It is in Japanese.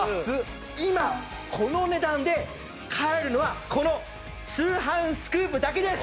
今このお値段で買えるのはこの『通販スクープ』だけです！